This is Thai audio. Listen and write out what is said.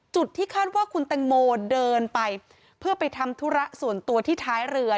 จุดที่คาดว่าคุณแตงโมเดินไปเพื่อไปทำธุระส่วนตัวที่ท้ายเรือ